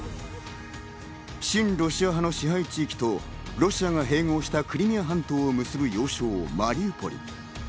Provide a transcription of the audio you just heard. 親ロシア派の支配地域とロシアが併合したクリミア半島を結ぶ要衝マリウポリ。